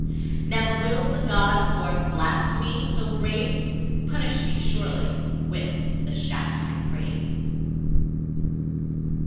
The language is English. (Now will the god, for blasphemy so brave, Punish me, surely, with the shaft I crave!)